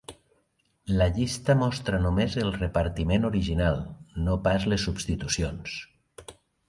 La llista mostra només el repartiment original, no pas les substitucions.